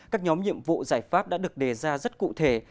các nhóm nhiệm vụ giải pháp đã được đề ra rất cụ thể